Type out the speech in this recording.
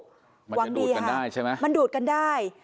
หวังดีดกันได้ใช่ไหมมันดูดกันได้